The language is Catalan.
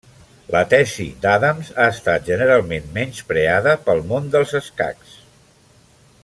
La tesi d'Adams ha estat generalment menyspreada pel món dels escacs.